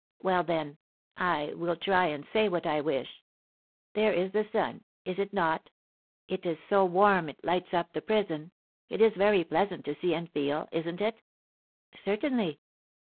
Well, then, I will try and say what I wish: There is the sun, is it not? It is so warm, it lights up the prison, it is very pleasant to see and feel, isn't it?" "Certainly."